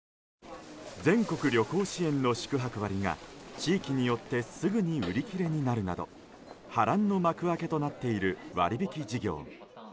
全国旅行支援の宿泊割が地域によってすぐに売り切れになるなど波乱の幕開けとなっている割引き事業。